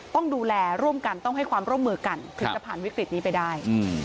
ต้องดูแลร่วมกันต้องให้ความร่วมมือกันถึงจะผ่านวิกฤตนี้ไปได้